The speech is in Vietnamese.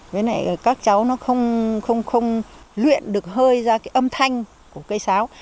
với này các cháu không luyện được hơi ra âm thanh của cây sáo